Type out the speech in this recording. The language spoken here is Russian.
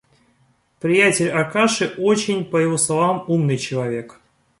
Приятель Аркаши, очень, по его словам, умный человек.